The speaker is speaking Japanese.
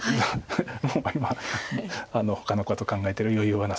もう今ほかのこと考えてる余裕はなさそうです。